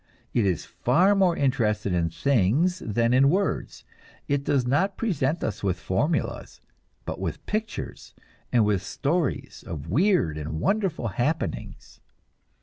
It is far more interested in things than in words; it does not present us with formulas, but with pictures, and with stories of weird and wonderful happenings.